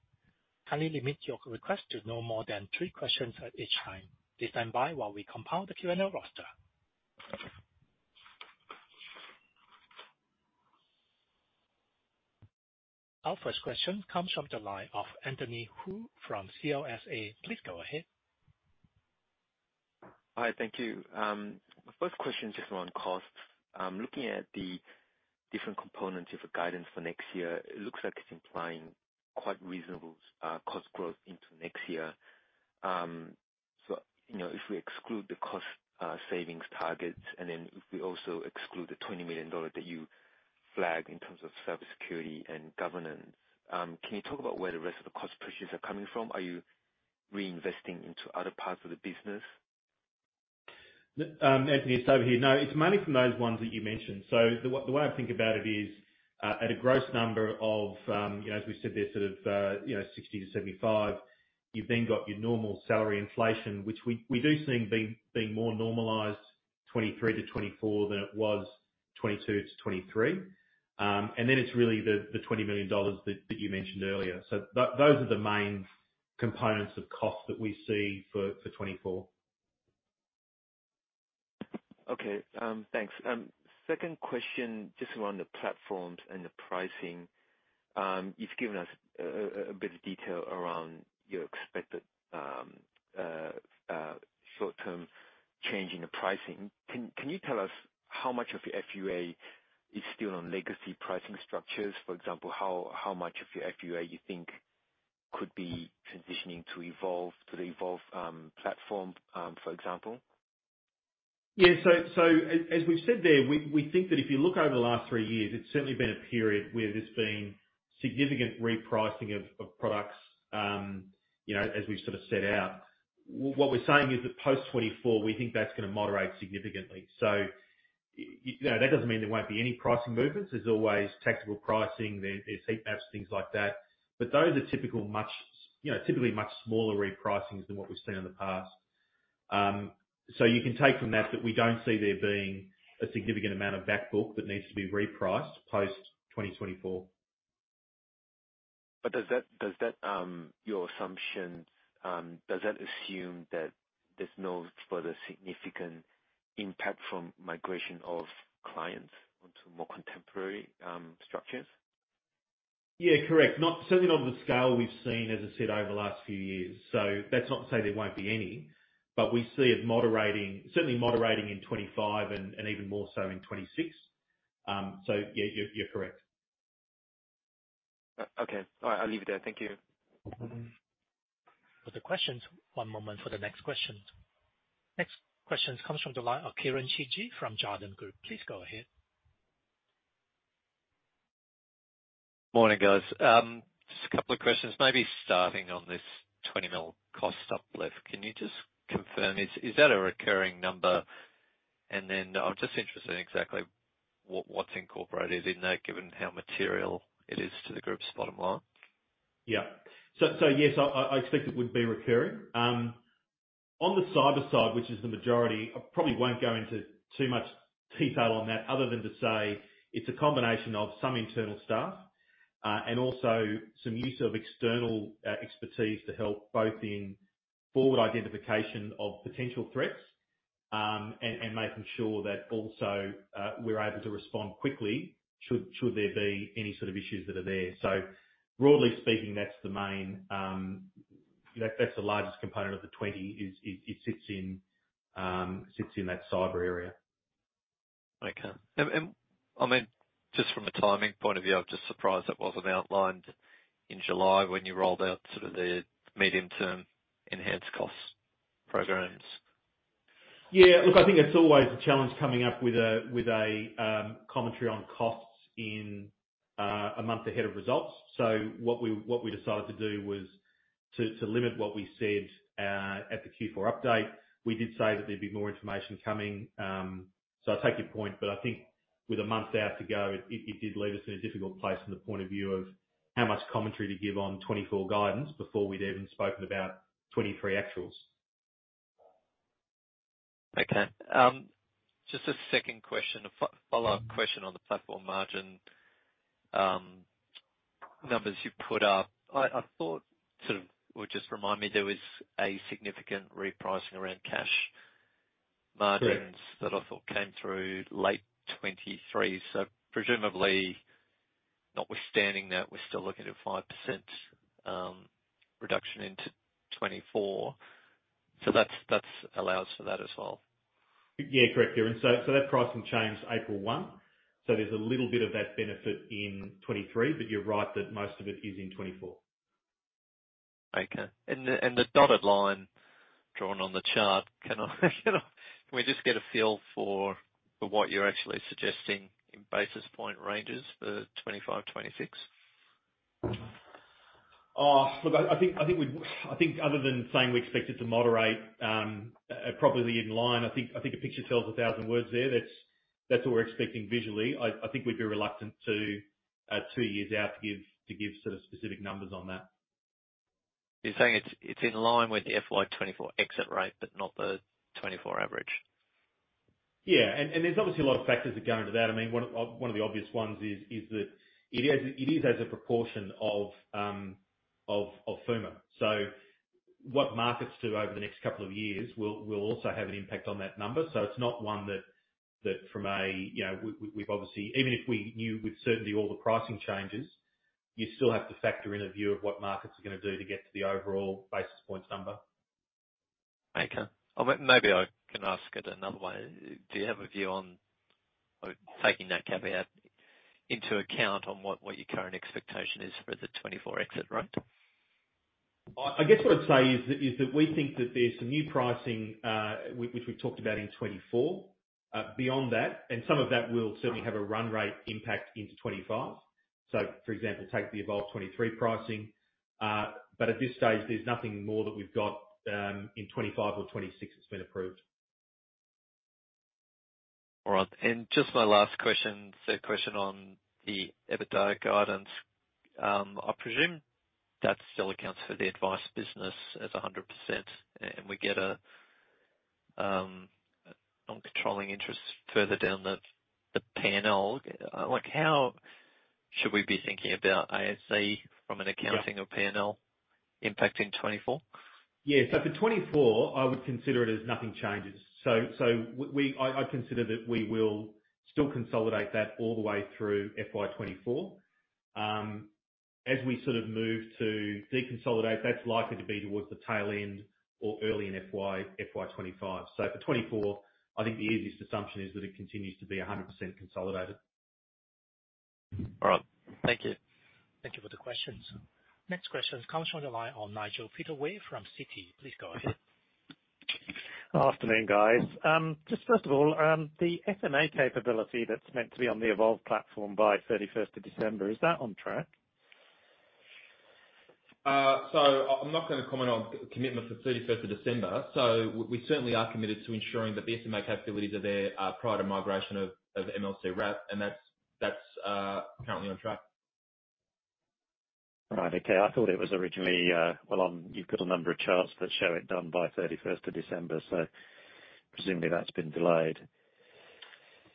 Kindly limit your request to no more than three questions at each time. Please stand by while we compile the Q&A roster. Our first question comes from the line of Anthony Hu from CLSA. Please go ahead. Hi, thank you. My first question, just around costs. Looking at the different components of the guidance for next year, it looks like it's implying quite reasonable cost growth into next year. So, you know, if we exclude the cost savings targets, and then if we also exclude the 20 million dollars that you flagged in terms of cybersecurity and governance, can you talk about where the rest of the cost pressures are coming from? Are you reinvesting into other parts of the business? Anthony, it's over here. No, it's mainly from those ones that you mentioned. So the way I think about it is, at a gross number of, you know, as we said there, sort of, you know, 60-75, you've then got your normal salary inflation, which we do see being more normalized, 2023-2024, than it was 2022-2023. And then it's really the 20 million dollars that you mentioned earlier. So those are the main components of cost that we see for 2024. Okay. Thanks. Second question, just around the platforms and the pricing. You've given us a bit of detail around your expected short-term change in the pricing. Can you tell us how much of your FUA is still on legacy pricing structures? For example, how much of your FUA you think could be transitioning to Evolve, to the Evolve platform, for example? Yeah. So, as we've said there, we think that if you look over the last three years, it's certainly been a period where there's been significant repricing of products, you know, as we've sort of set out. What we're saying is that post 2024, we think that's gonna moderate significantly. So you know, that doesn't mean there won't be any pricing movements. There's always taxable pricing, there's heat maps, things like that. But those are typically much smaller repricings than what we've seen in the past. So you can take from that, that we don't see there being a significant amount of back book that needs to be repriced post 2024. But does that, your assumption, does that assume that there's no further significant impact from migration of clients onto more contemporary structures? Yeah, correct. Not, certainly not on the scale we've seen, as I said, over the last few years. So that's not to say there won't be any, but we see it moderating, certainly moderating in 2025 and, and even more so in 2026. So yeah, you're, you're correct. Okay. All right, I'll leave it there. Thank you. Other questions? One moment for the next question. Next question comes from the line of Kieren Chidgey from Jarden Group. Please go ahead. Morning, guys. Just a couple of questions, maybe starting on this 20 million cost savings left. Can you just confirm, is that a recurring number? And then I'm just interested in exactly what, what's incorporated in that, given how material it is to the group's bottom line. Yeah. So, so yes, I, I, I expect it would be recurring. On the cyber side, which is the majority, I probably won't go into too much detail on that, other than to say it's a combination of some internal staff, and also some use of external, expertise to help both in forward identification of potential threats, and, and making sure that also, we're able to respond quickly should, should there be any sort of issues that are there. So broadly speaking, that's the main, that's, that's the largest component of the 20, is, is, it sits in, sits in that cyber area. Okay. And I meant, just from a timing point of view, I'm just surprised that wasn't outlined in July when you rolled out sort of the medium-term enhanced cost programs. Yeah, look, I think it's always a challenge coming up with a commentary on costs in a month ahead of results. So what we decided to do was to limit what we said at the Q4 update. We did say that there'd be more information coming. So I take your point, but I think with a month out to go, it did leave us in a difficult place from the point of view of how much commentary to give on 2024 guidance before we'd even spoken about 2023 actuals. Okay. Just a second question, a follow-up question on the platform margin numbers you put up. I thought, sort of... or just remind me, there was a significant repricing around cash margins- Correct. -that I thought came through late 2023. So presumably, notwithstanding that, we're still looking at 5%, reduction into 2024. So that's, that's allowed for that as well? Yeah, correct, Kieran. So, so that pricing changed April 1, so there's a little bit of that benefit in 2023, but you're right, that most of it is in 2024. Okay. And the dotted line drawn on the chart, can we just get a feel for what you're actually suggesting in basis point ranges for 2025, 2026?... Ah, look, I think other than saying we expect it to moderate, probably in line, I think a picture tells a thousand words there. That's what we're expecting visually. I think we'd be reluctant to, two years out, to give sort of specific numbers on that. You're saying it's in line with the FY24 exit rate, but not the 24 average? Yeah, and there's obviously a lot of factors that go into that. I mean, one of the obvious ones is that it is as a proportion of FUMA. So what markets do over the next couple of years will also have an impact on that number. So it's not one that from a... You know, we've obviously even if we knew with certainty all the pricing changes, you still have to factor in a view of what markets are gonna do to get to the overall basis points number. Okay. Maybe I can ask it another way. Do you have a view on, taking that caveat into account, on what, what your current expectation is for the 2024 exit rate? I guess what I'd say is that we think that there's some new pricing, which we've talked about in 2024. Beyond that, and some of that will certainly have a run rate impact into 2025. So, for example, take the Evolve 2023 pricing, but at this stage, there's nothing more that we've got in 2025 or 2026 that's been approved. All right. And just my last question, so question on the EBITDA guidance. I presume that still accounts for the advice business as 100%, and we get a non-controlling interest further down the P&L. Like, how should we be thinking about ASC from an accounting- Yeah... or P&L impact in 2024? Yeah. So for 2024, I would consider it as nothing changes. So, I consider that we will still consolidate that all the way through FY 2024. As we sort of move to deconsolidate, that's likely to be towards the tail end or early in FY 2025. So for 2024, I think the easiest assumption is that it continues to be 100% consolidated. All right. Thank you. Thank you for the questions. Next question comes from the line of Nigel Pittaway from Citi. Please go ahead. Afternoon, guys. Just first of all, the SMA capability that's meant to be on the Evolve platform by thirty-first of December, is that on track? So I'm not gonna comment on commitment for thirty-first of December. So we certainly are committed to ensuring that the SMA capabilities are there, prior to migration of MLC Wrap, and that's currently on track. All right. Okay. I thought it was originally. Well, on, you've got a number of charts that show it done by thirty-first of December, so presumably, that's been delayed.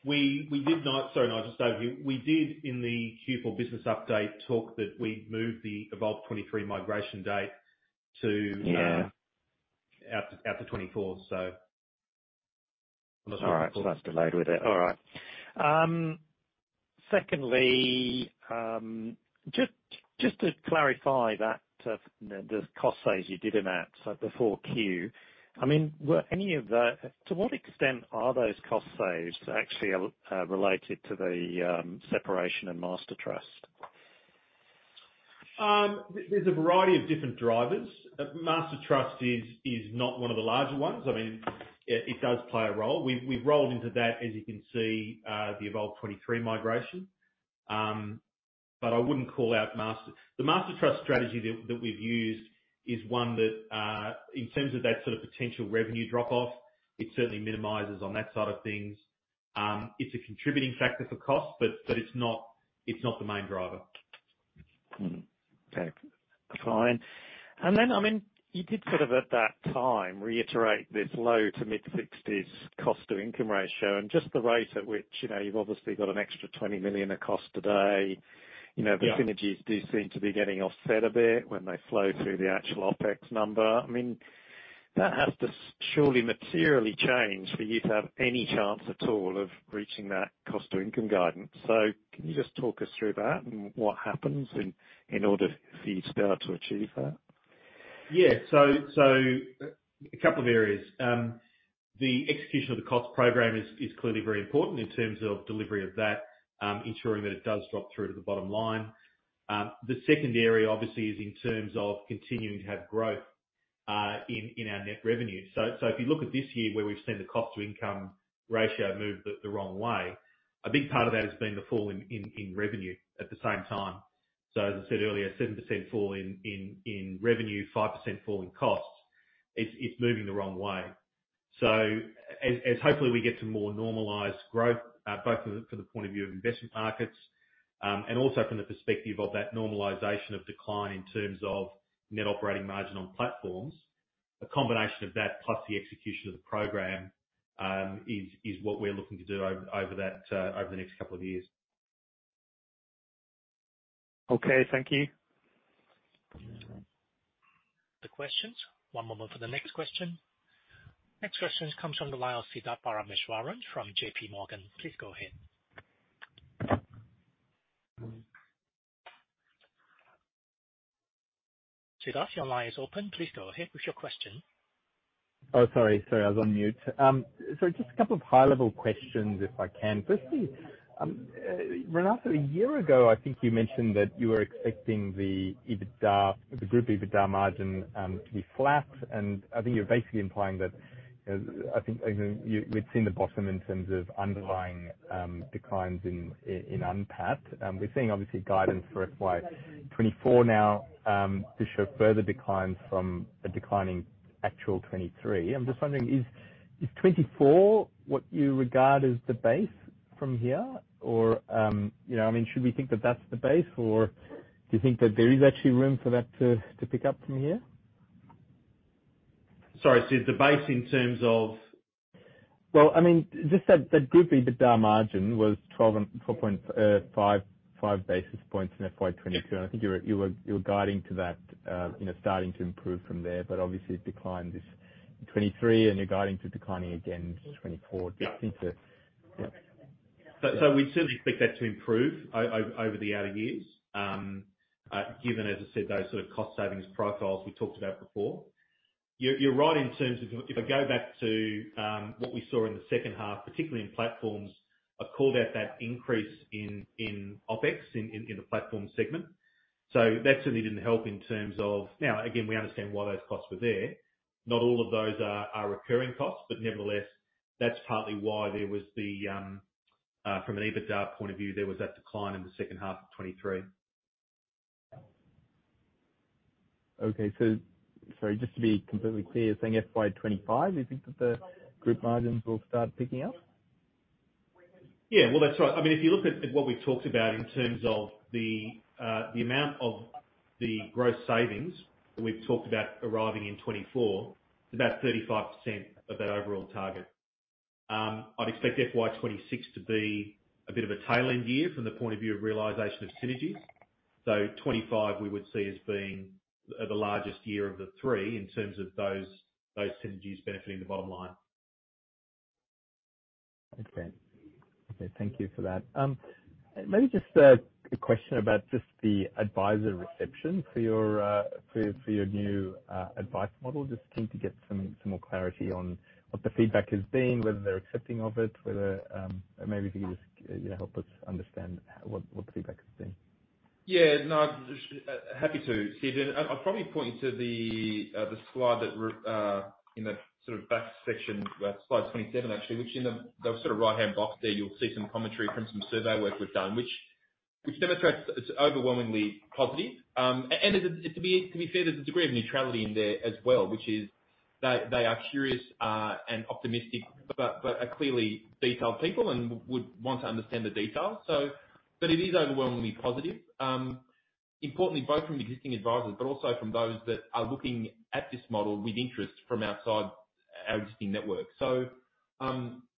We, we did not—sorry, Nigel, so you—we did, in the Q4 business update, talk that we'd move the Evolve 2023 migration date to Yeah. out to 2024. So All right, so that's delayed with it. All right. Secondly, just to clarify that, the cost savings you did in that, so before Q, I mean, were any of the— To what extent are those cost savings actually related to the separation and Master Trust? There's a variety of different drivers. Master Trust is not one of the larger ones. I mean, it does play a role. We've rolled into that, as you can see, the Evolve 2023 migration. But I wouldn't call out master. The Master Trust strategy that we've used is one that, in terms of that sort of potential revenue drop-off, it certainly minimizes on that side of things. It's a contributing factor for cost, but it's not the main driver. Okay, fine. And then, I mean, you did sort of at that time, reiterate this low- to mid-60s cost-to-income ratio, and just the rate at which, you know, you've obviously got an extra 20 million of cost today. Yeah. You know, the synergies do seem to be getting offset a bit when they flow through the actual OpEx number. I mean, that has to surely materially change for you to have any chance at all of reaching that cost to income guidance. So can you just talk us through that, and what happens in order for you to start to achieve that? Yeah. So, so a couple of areas. The execution of the cost program is, is clearly very important in terms of delivery of that, ensuring that it does drop through to the bottom line. The second area, obviously, is in terms of continuing to have growth, in, in our net revenue. So, so if you look at this year, where we've seen the cost to income ratio move the, the wrong way, a big part of that has been the fall in, in, in revenue at the same time. So as I said earlier, 7% fall in, in, in revenue, 5% fall in costs, it's, it's moving the wrong way. So, as we hopefully get to more normalized growth, from the point of view of investment markets, and also from the perspective of that normalization of decline in terms of net operating margin on platforms, a combination of that, plus the execution of the program, is what we're looking to do over the next couple of years. Okay, thank you.... The questions. One moment for the next question. Next question comes from the line of Siddharth Parameswaran from J.P. Morgan. Please go ahead. Siddharth, your line is open. Please go ahead with your question. Oh, sorry. Sorry, I was on mute. So just a couple of high-level questions, if I can. Firstly, Renato, a year ago, I think you mentioned that you were expecting the EBITDA, the group EBITDA margin, to be flat. And I think you're basically implying that, you know, I think, you know, you've seen the bottom in terms of underlying declines in UNPAT. We're seeing obviously guidance for FY 2024 now, to show further declines from a decline in actual 2023. I'm just wondering, is 2024 what you regard as the base from here? Or, you know, I mean, should we think that that's the base, or... Do you think that there is actually room for that to pick up from here? Sorry, so the base in terms of? Well, I mean, just that, that group EBITDA margin was 12.455 basis points in FY 2022, and I think you were guiding to that, you know, starting to improve from there. But obviously, it declined this 2023, and you're guiding to declining again in 2024. Do you think that- So we'd certainly expect that to improve over the outer years. Given, as I said, those sort of cost savings profiles we talked about before. You're right in terms of, if I go back to what we saw in the second half, particularly in platforms, I called out that increase in OpEx in the platform segment. So that certainly didn't help in terms of... Now, again, we understand why those costs were there. Not all of those are recurring costs, but nevertheless, that's partly why there was the, from an EBITDA point of view, there was that decline in the second half of 2023. Okay. So sorry, just to be completely clear, saying FY 25, you think that the group margins will start picking up? Yeah, well, that's right. I mean, if you look at, at what we've talked about in terms of the, the amount of the gross savings that we've talked about arriving in 2024, it's about 35% of that overall target. I'd expect FY 2026 to be a bit of a tailwind year from the point of view of realization of synergies. So 2025, we would see as being the largest year of the three in terms of those, those synergies benefiting the bottom line. Okay. Okay, thank you for that. Maybe just a question about just the adviser reception for your new advice model. Just keen to get some more clarity on what the feedback has been, whether they're accepting of it, whether maybe if you could just, you know, help us understand what the feedback has been. Yeah, no, just, happy to, Steven. I'll probably point you to the slide that, in the sort of back section, slide 27, actually, which in the sort of right-hand box there, you'll see some commentary from some survey work we've done, which demonstrates it's overwhelmingly positive. And to be, to be fair, there's a degree of neutrality in there as well, which is they are curious and optimistic, but are clearly detailed people and would want to understand the detail. So, but it is overwhelmingly positive. Importantly, both from existing advisers, but also from those that are looking at this model with interest from outside our existing network. So,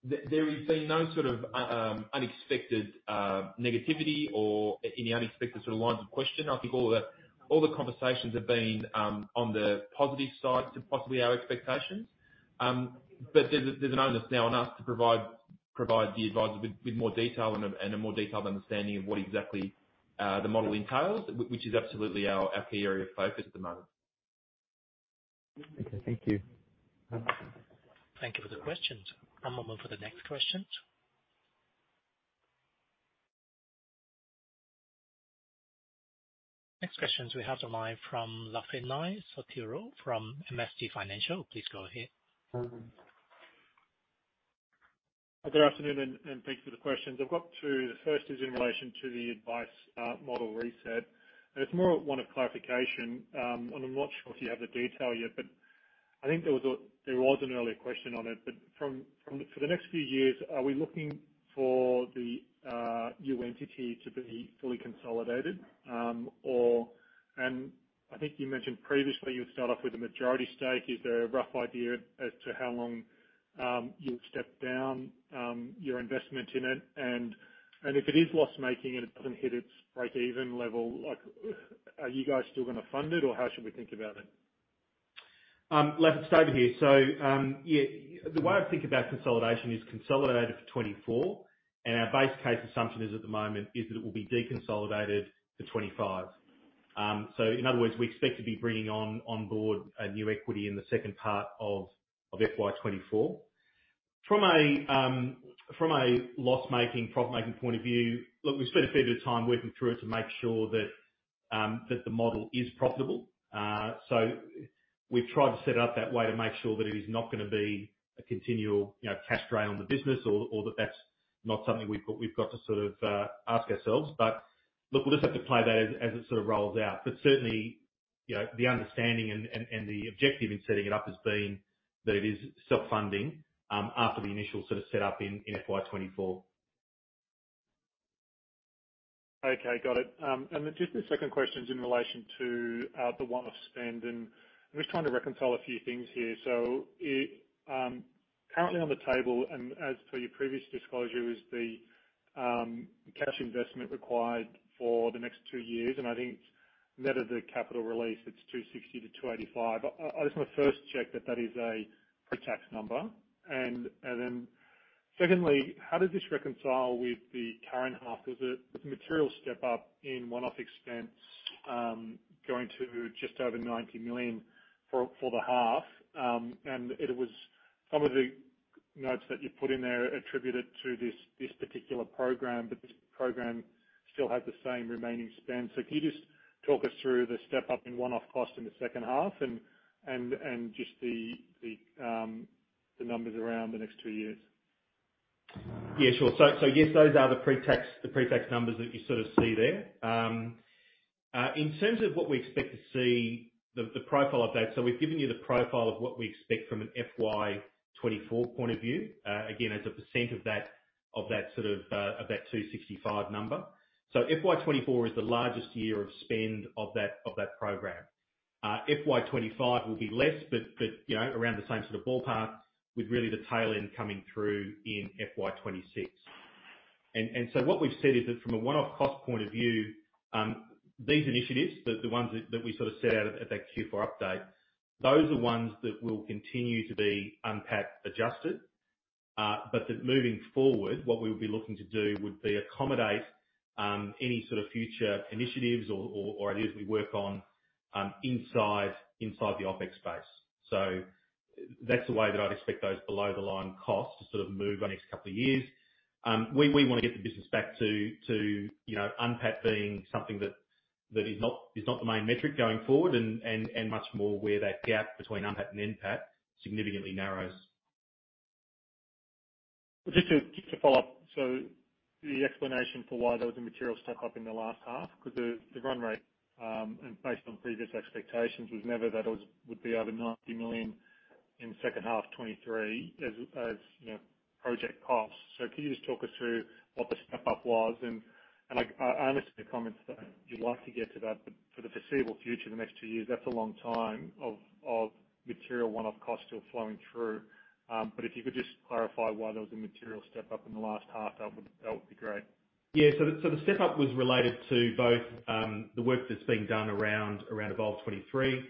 there has been no sort of unexpected negativity or any unexpected sort of lines of question. I think all the, all the conversations have been on the positive side to possibly our expectations. But there's a, there's an onus now on us to provide, provide the adviser with, with more detail and a, and a more detailed understanding of what exactly the model entails, which is absolutely our, our key area of focus at the moment. Okay. Thank you. Thank you for the questions. One moment for the next question. Next questions we have on the line from Lafitani Sotiriou from MST Financial. Please go ahead. Good afternoon, and thank you for the questions. I've got two. The first is in relation to the advice model reset, and it's more one of clarification. And I'm not sure if you have the detail yet, but I think there was a-- there was an earlier question on it. But from for the next few years, are we looking for the new entity to be fully consolidated? Or... And I think you mentioned previously, you would start off with a majority stake. Is there a rough idea as to how long you'll step down your investment in it? And if it is loss-making and it doesn't hit its breakeven level, like, are you guys still gonna fund it, or how should we think about it? Laf, it's David here. So, yeah, the way I think about consolidation is consolidated for 2024, and our base case assumption is, at the moment, is that it will be deconsolidated for 2025. So in other words, we expect to be bringing on onboard a new equity in the second part of FY 2024. From a loss-making, profit-making point of view, look, we've spent a fair bit of time working through it to make sure that the model is profitable. So we've tried to set it up that way to make sure that it is not gonna be a continual, you know, cash drain on the business or that that's not something we've got to sort of ask ourselves. But look, we'll just have to play that as it sort of rolls out. But certainly, you know, the understanding and the objective in setting it up has been that it is self-funding after the initial sort of setup in FY 2024. Okay, got it. And then just the second question is in relation to the one-off spend, and I'm just trying to reconcile a few things here. So it currently on the table, and as per your previous disclosure, is the cash investment required for the next two years, and I think net of the capital release, it's 260 million-285 million. I just want to first check that that is a pre-tax number. And then secondly, how does this reconcile with the current half? There's a material step up in one-off expense, going to just over 90 million for the half. And it was some of the notes that you put in there attributed to this particular program, but this program still has the same remaining spend. So can you just talk us through the step up in one-off costs in the second half and just the numbers around the next two years? Yeah, sure. Yes, those are the pre-tax numbers that you sort of see there. In terms of what we expect to see, the profile of that, we've given you the profile of what we expect from an FY 2024 point of view. Again, as a % of that sort of 265 number. So FY 2024 is the largest year of spend of that program. FY 2025 will be less, but you know, around the same sort of ballpark, with really the tail end coming through in FY 2026. So what we've said is that from a one-off cost point of view, these initiatives, the ones that we sort of set out at that Q4 update, those are ones that will continue to be UNPAT, adjusted. But that moving forward, what we would be looking to do would be accommodate any sort of future initiatives or ideas we work on inside the OpEx space. So that's the way that I'd expect those below-the-line costs to sort of move the next couple of years. We want to get the business back to, you know, UNPAT being something that is not the main metric going forward, and much more where that gap between UNPAT and NPAT significantly narrows. Well, just to follow up. So the explanation for why there was a material step up in the last half, because the run rate, and based on previous expectations, was never that it would be over 90 million in second half 2023, as you know, project costs. So can you just talk us through what the step up was? And I understand the comments that you'd like to get to that, but for the foreseeable future, the next two years, that's a long time of material one-off costs still flowing through. But if you could just clarify why there was a material step up in the last half, that would be great. Yeah. So the, so the step up was related to both, the work that's being done around, around Evolve 2023,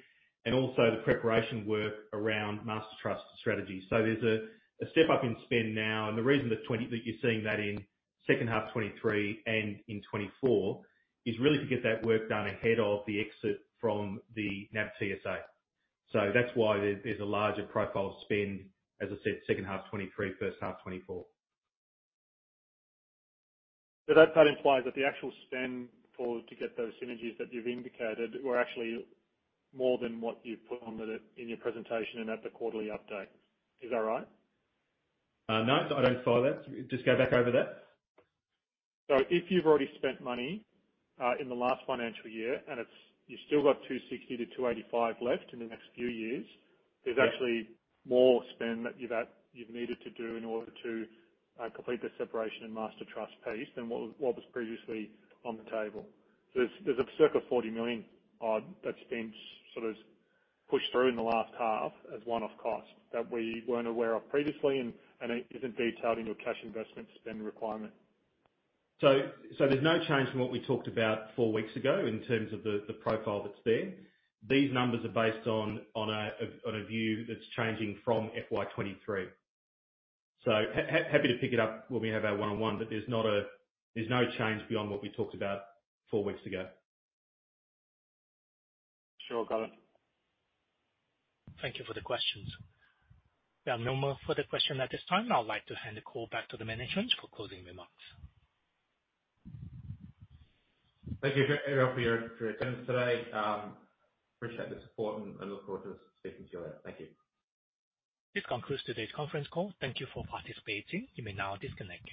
and also the preparation work around Master Trust strategy. So there's a step up in spend now, and the reason that you're seeing that in second half 2023 and in 2024, is really to get that work done ahead of the exit from the NAB TSA. So that's why there, there's a larger profile spend, as I said, second half 2023, first half 2024. So that implies that the actual spend to get those synergies that you've indicated were actually more than what you've put in your presentation and at the quarterly update. Is that right? No, I don't follow that. Just go back over that. So if you've already spent money in the last financial year, and it's. You've still got 260 million-285 million left in the next few years, there's actually more spend that you've needed to do in order to complete the separation and Master Trust piece than what was previously on the table. So there's a circa 40 million that's been sort of pushed through in the last half as one-off cost, that we weren't aware of previously, and it isn't detailed in your cash investment spend requirement. So, there's no change from what we talked about four weeks ago in terms of the profile that's there. These numbers are based on a view that's changing from FY23. Happy to pick it up when we have our one-on-one, but there's no change beyond what we talked about four weeks ago. Sure, got it. Thank you for the questions. There are no more further questions at this time. I'd like to hand the call back to the management for closing remarks. Thank you, everyone, for your attendance today. Appreciate the support, and I look forward to speaking to you later. Thank you. This concludes today's conference call. Thank you for participating. You may now disconnect.